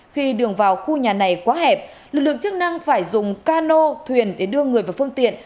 khi đường vào khu nhà này quá hẹp lực lượng chức năng phải dùng cano thuyền để đưa người vào phương tiện